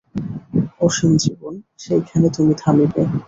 অসীম জীবন! সেইখানে তুমি থামিবে।